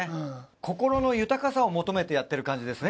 心の豊かさを求めてやってる感じですね